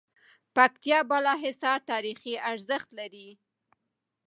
پکتيا بالاحصار تاريخي ارزښت لری